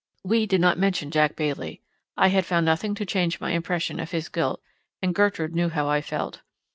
We did not mention Jack Bailey: I had found nothing to change my impression of his guilt, and Gertrude knew how I felt.